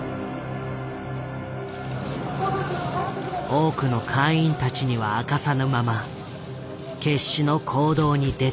多くの会員たちには明かさぬまま決死の行動に出た三島。